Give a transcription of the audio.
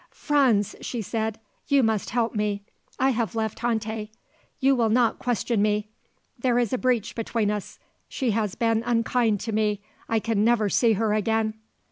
"Franz," she said, "you must help me. I have left Tante. You will not question me. There is a breach between us; she has been unkind to me. I can never see her again."